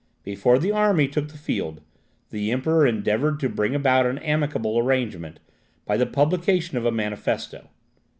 Before the army took the field, the Emperor endeavoured to bring about an amicable arrangement, by the publication of a manifesto.